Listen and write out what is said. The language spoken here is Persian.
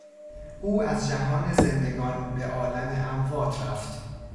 او از جهان زندگان به عالم اموات رفت.